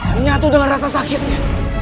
menyatu dengan rasa sakitnya